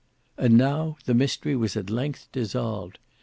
And now the mystery was at length dissolved.